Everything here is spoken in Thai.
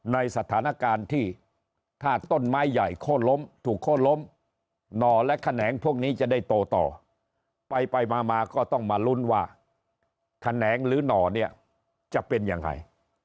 ในสถานการณ์ที่ถ้าต้นไม้ใหญ่โค้นล้มถูกโค้นล้มหน่อและแขนงพวกนี้จะได้โตต่อไปไปมามาก็ต้องมาลุ้นว่าแขนงหรือหน่อเนี่ยจะเป็นยังไง